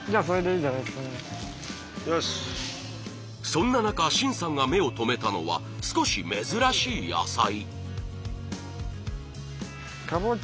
そんな中愼さんが目を留めたのは少し珍しい野菜。